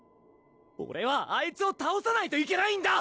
オレはあいつをたおさないといけないんだ！